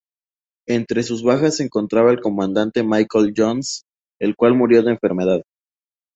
Entre sus bajas se encontraba el comandante Michael Jones, el cual murió de enfermedad.